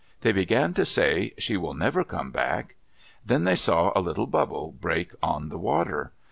They began to say, "She will never come back." Then they saw a little bubble break on the water.